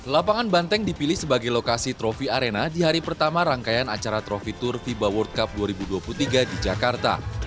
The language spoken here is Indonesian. lapangan banteng dipilih sebagai lokasi trofi arena di hari pertama rangkaian acara trofi tour fiba world cup dua ribu dua puluh tiga di jakarta